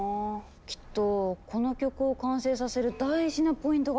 きっとこの曲を完成させる「大事なポイント」が欠けてるの。